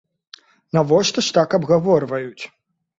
Навошта ж так абгаворваюць?